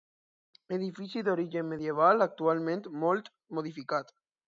Edifici d'origen medieval actualment molt modificat.